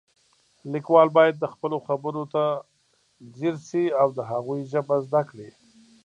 لیکوال باید د خلکو خبرو ته ځیر شي او د هغوی ژبه زده کړي